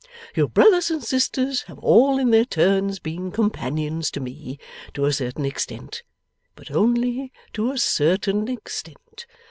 Your brothers and sisters have all in their turns been companions to me, to a certain extent, but only to a certain extent.